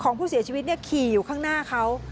ของผู้เสียชีวิตขี่อยู่ข้างหน้าเขา